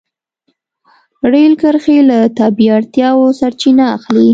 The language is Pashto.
رېل کرښې له طبیعي اړتیاوو سرچینه نه اخلي.